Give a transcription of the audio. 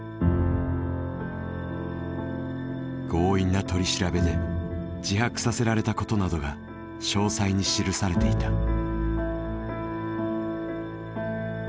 強引な取り調べで自白させられたことなどが詳細に記されていた。